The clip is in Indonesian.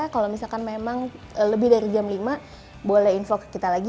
kalau misalkan memang lebih dari jam lima boleh info ke kita lagi